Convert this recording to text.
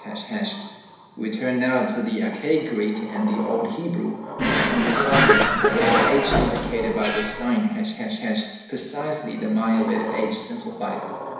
We turn now to the archaic Greek and the old Hebrew, and we find the letter h indicated by this sign, ###, precisely the Maya letter h simplified.